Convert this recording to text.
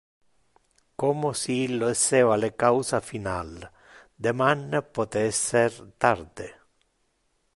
Como si illo esseva le causa final; deman pote esser tarde.